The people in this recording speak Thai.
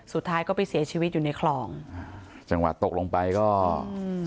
สุดท้ายก็ไปเสียชีวิตอยู่ในคลองจังหวะตกลงไปก็อืม